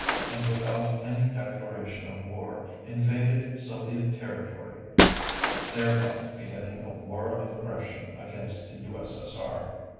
and without any declaration of war invaded Soviet territory thereby beginning a War of Aggression against the U.S.S.R.